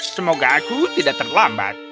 semoga aku tidak terlambat